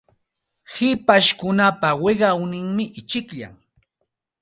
Hipashkunapa wiqawnin ichikllam.